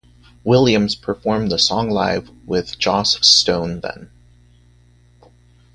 Williams performed the song live with Joss Stone then.